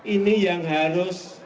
ini yang harus